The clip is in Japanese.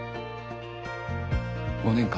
５年間。